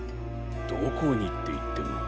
どこにっていっても。